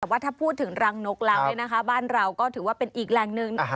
แต่ว่าถ้าพูดถึงรังนกแล้วบ้านเราก็ถือว่าเป็นอีกแหล่งหนึ่ง